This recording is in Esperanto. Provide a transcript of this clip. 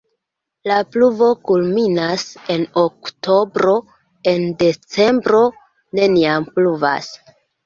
La pluvo kulminas en oktobro, en decembro neniam pluvas.